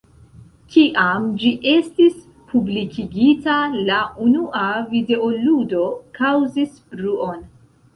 Kiam ĝi estis publikigita, la unua videoludo kaŭzis bruon.